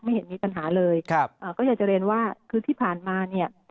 เห็นมีปัญหาเลยครับอ่าก็อยากจะเรียนว่าคือที่ผ่านมาเนี่ย